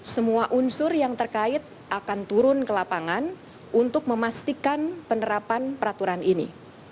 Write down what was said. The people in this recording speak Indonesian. semua unsur yang terkait akan turun ke lapangan untuk memastikan penerapan peraturan ini